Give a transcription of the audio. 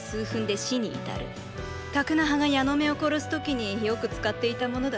タクナハがヤノメを殺す時によく使っていたものだ。